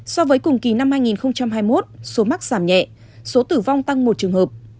so với cùng kỳ năm hai nghìn hai mươi một số mắc giảm nhẹ số tử vong tăng một trường hợp